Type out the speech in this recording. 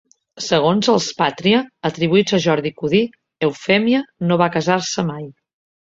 Segons els "Pàtria", atribuïts a Jordi Codí, Eufèmia no va casar-se mai.